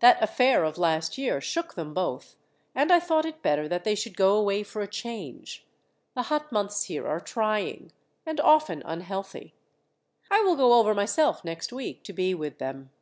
That affair of last year shook them both, and I thought it better that they should go away for a change the hot months here are trying, and often unhealthy. I will go over myself next week to be with them."